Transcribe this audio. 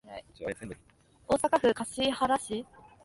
大阪府柏原市